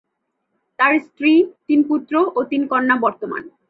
তার স্ত্রী তিন পুত্র ও তিন কন্যা বর্তমান।